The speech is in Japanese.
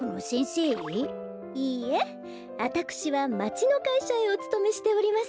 いいえあたくしはまちのかいしゃへおつとめしております。